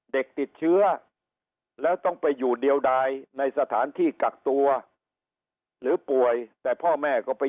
เด็กติดเชื้อแล้วต้องไปอยู่เดียวดายในสถานที่กักตัวหรือป่วยแต่พ่อแม่ก็ไป